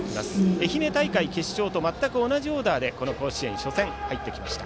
愛媛大会決勝と同じオーダーでこの甲子園初戦、入ってきました。